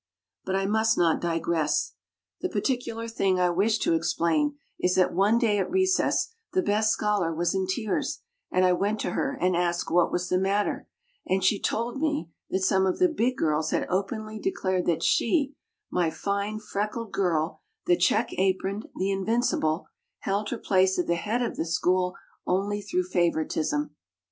But I must not digress the particular thing I wish to explain is that one day at recess the best scholar was in tears, and I went to her and asked what was the matter, and she told me that some of the big girls had openly declared that she my fine, freckled girl, the check aproned, the invincible held her place at the head of the school only through favoritism.